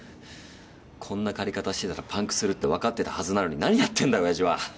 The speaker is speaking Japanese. こんな借り方してたらパンクするってわかってたはずなのに何やってんだおやじは。